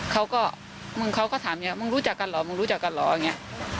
เขาก็มึงเขาก็ถามอย่างนี้มึงรู้จักกันเหรอมึงรู้จักกันเหรออย่างนี้